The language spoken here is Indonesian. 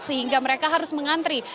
sehingga mereka harus mengantri